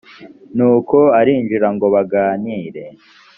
nuko arinjira ngobaganire